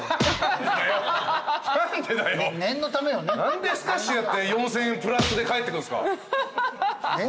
何でスカッシュやって４，０００円プラスで返ってくるんすか。